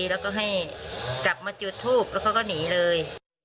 แล้วก็ให้กลับมาจุดทูบแล้วเขาก็หนีเลย